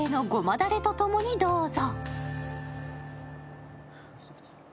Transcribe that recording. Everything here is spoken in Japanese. だれと共にどうぞ。